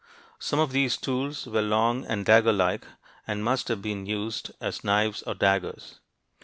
Some of these tools were long and dagger like, and must have been used as knives or daggers.